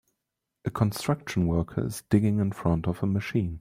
A construction worker is digging in front of a machine